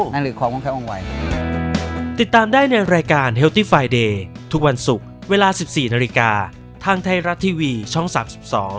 นั่นคือความค่องแค้วว่างวาย